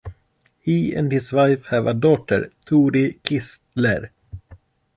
He and his wife have a daughter, Tori Kistler.